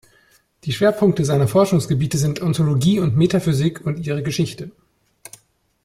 Die Schwerpunkte seiner Forschungsgebiete sind Ontologie und Metaphysik und ihre Geschichte.